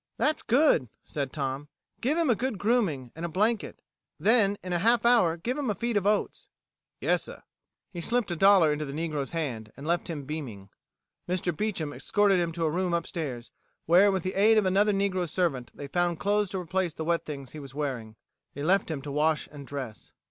"That's good," said Tom. "Give him a good grooming, and a blanket. Then, in a half hour, give him a feed of oats." "Yassir." He slipped a dollar into the negro's hand, and left him beaming. Mr. Beecham escorted him to a room upstairs, where, with the aid of another negro servant, they found clothes to replace the wet things he was wearing. They left him to wash and dress.